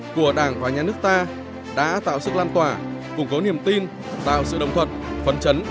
của đảng và nhà nước ta đã tạo sức lan tỏa củng cố niềm tin tạo sự đồng thuận phấn chấn